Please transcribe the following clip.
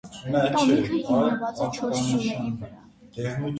Տանիքը հիմնված է չորս սյուների վրա։